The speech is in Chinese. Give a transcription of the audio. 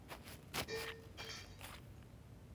插画由画家亚沙美负责。